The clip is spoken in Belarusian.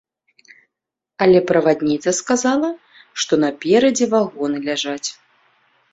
Але правадніца сказала, што наперадзе вагоны ляжаць.